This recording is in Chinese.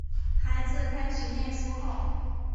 孩子开始念书后